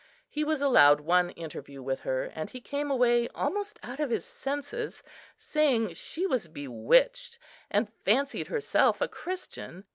He was allowed one interview with her, and he came away almost out of his senses, saying she was bewitched, and fancied herself a Christian.